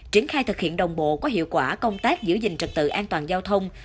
triển khai thực hiện đồng bộ có hiệu quả công tác giữ gìn trật tự an toàn giao thông